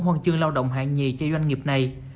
huân chương lao động hạng nhì cho doanh nghiệp này